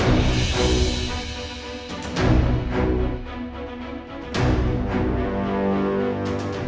berita apa pak wuyah